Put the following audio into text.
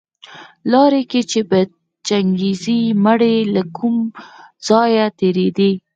لاره کي چي به د چنګېز مړى له کوم ځايه تېرېدى